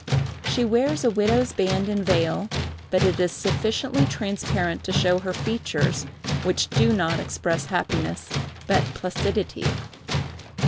She wears a widow's band and veil, but it is sufficiently transparent to show her features, which do not express happiness, but placidity.